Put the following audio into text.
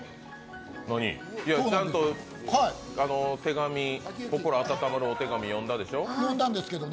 ちゃんと手紙、心温まるお手紙、読んだでしょ。